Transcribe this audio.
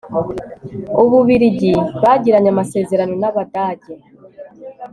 abubiligi bagiranye amasezerano nabadage